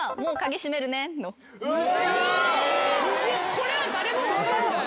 これは誰も分かんない。